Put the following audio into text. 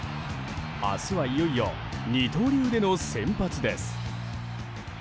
明日はいよいよ二刀流での先発です。